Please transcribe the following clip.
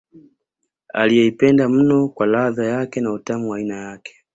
Aliyeipenda mno kwa ladha yake na utamu wa aina yake